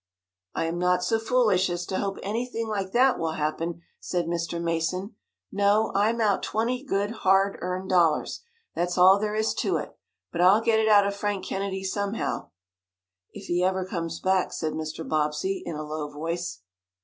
"I am not so foolish as to hope anything like that will happen," said Mr. Mason. "No, I'm out twenty good hard earned dollars. That's all there is to it. But I'll get it out of Frank Kennedy, somehow." "If he ever comes back," said Mr. Bobbsey, in a low voice.